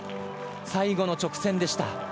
最後の直線でした。